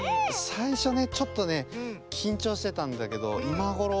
さいしょねちょっとねきんちょうしてたんだけどいまごろ